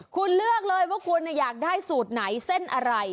คุณเลือกเลยว่าคุณอยากได้สูตรไหนเส้นอะไร